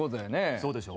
そうでしょ？